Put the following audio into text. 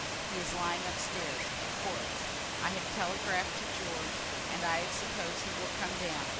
He is lying up stairs, a corpse. I have telegraphed to George, and I suppose he will come down.